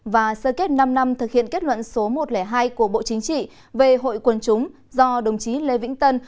và sơ kết năm năm thực hiện kết luận số một trăm linh hai của bộ chính trị về hội quần chúng do đồng chí lê vĩnh tân